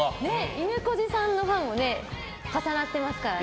いぬこじさんのファンも重なってますからね。